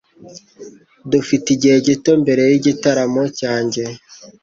Dufite igihe gito mbere yigitaramo cyanjye.